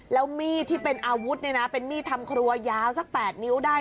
แล้วมีดที่เป็นอาวุธเนี่ยนะเป็นมีดทำครัวยาวสัก๘นิ้วได้